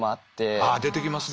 ああ出てきますね。